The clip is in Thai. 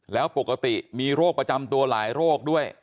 แล้วปกติมีโรคประจำตัวหลายโรคด้วย